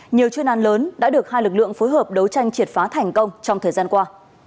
nhiều chuyên an lớn đã được hai lực lượng phối hợp đấu tranh triệt phá thành công trong thời gian qua